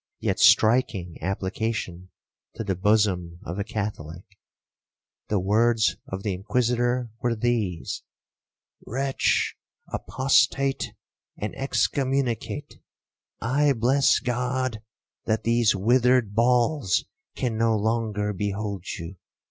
yet striking application to the bosom of a Catholic. The words of the Inquisitor were these: 'Wretch, apostate, and excommunicate, I bless God that these withered balls can no longer behold you.